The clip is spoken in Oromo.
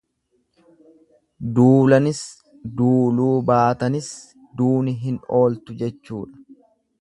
Duulanis duuluu baatanis duuni hin ooltu jechuudha.